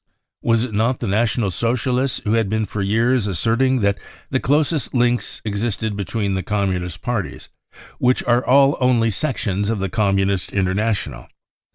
Was it not the National Socialists who had been for years asserting that the closest links ex isted between the Communist Parties, which are all only sections of the Communist International